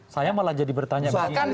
saya mau lanjut dipertanyaan